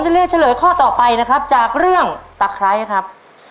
เลือกเฉลยข้อต่อไปนะครับจากเรื่องตะไคร้ครับ